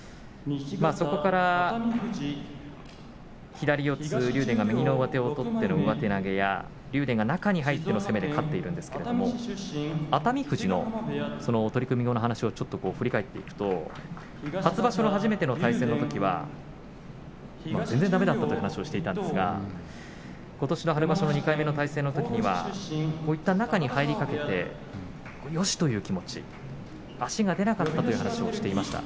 そこから左四つ、竜電が右の上手を取っての上手投げや竜電が中に入っての攻めで勝っているんですが熱海富士の取組後の話を振り返ると、初場所の初めての対戦のときは全然だめだったという話をしていたんですがことしの春場所の２回目の対戦のときはいったん中に入りかけてよし、という気持ち、足が出なかったという話をしていました。